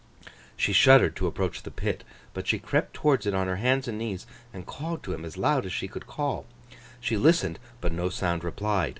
She shuddered to approach the pit; but she crept towards it on her hands and knees, and called to him as loud as she could call. She listened, but no sound replied.